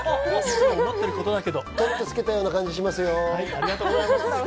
取ってつけた感じがしますよ。